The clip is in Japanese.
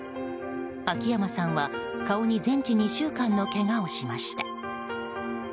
秋山さんは顔に全治２週間のけがをしました。